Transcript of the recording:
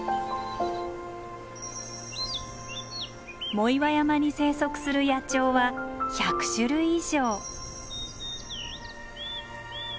藻岩山に生息する野鳥は１００種類以上！